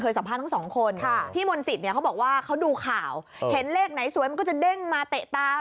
สัมภาษณ์ทั้งสองคนพี่มนต์สิทธิเนี่ยเขาบอกว่าเขาดูข่าวเห็นเลขไหนสวยมันก็จะเด้งมาเตะตา